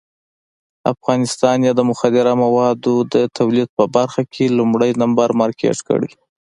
افغانستان یې د مخدره موادو د تولید په برخه کې لومړی نمبر مارکېټ کړی.